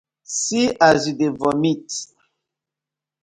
See as yu dey vomit dey kdis.